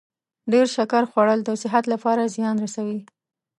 ډیر شکر خوړل د صحت لپاره زیان رسوي.